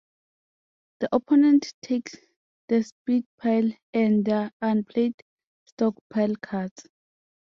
The opponent takes the spit pile and their unplayed stock pile cards.